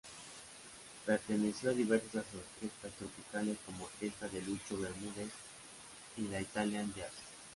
Perteneció a diversas orquestas tropicales como Orquesta de Lucho Bermúdez y La Italian Jazz.